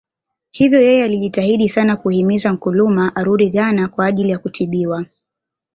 Hivyo yeye alijitahidi sana kuhimiza Nkrumah arudi Ghana kwa ajili ya kutibiwa